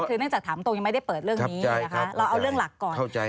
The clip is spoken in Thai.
คือเนื่องจากถามตรงยังไม่ได้เปิดเรื่องนี้นะคะเราเอาเรื่องหลักก่อน